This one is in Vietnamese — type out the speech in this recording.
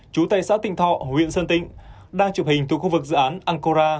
chú tại xã tịnh thọ huyện sơn tịnh đang chụp hình từ khu vực dự án an cô ra